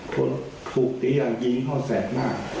พลถูกตียายยิงห้อแสดมาก